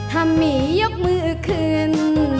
ถ้ามียกมือคืน